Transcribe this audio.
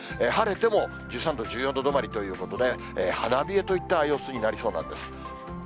晴れても１３度、１４度止まりということで、花冷えといった様子になりそうなんです。